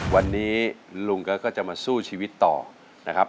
วันนี้ลุงก็จะมาสู้ชีวิตต่อนะครับ